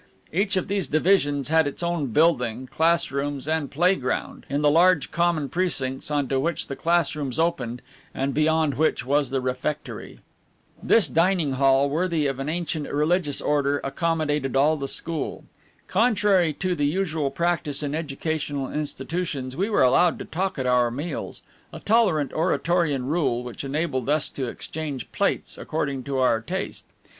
Each of these divisions had its own building, classrooms, and play ground, in the large common precincts on to which the classrooms opened, and beyond which was the refectory. This dining hall, worthy of an ancient religious Order, accommodated all the school. Contrary to the usual practice in educational institutions, we were allowed to talk at our meals, a tolerant Oratorian rule which enabled us to exchange plates according to our taste.